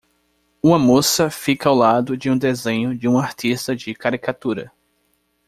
Uma moça fica ao lado de desenhos de uma artista de caricatura.